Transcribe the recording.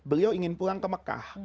beliau ingin pulang ke mekah